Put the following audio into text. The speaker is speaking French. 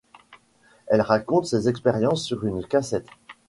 Elle raconte ses expériences sur une cassette.